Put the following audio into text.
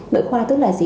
nội khoa tức là gì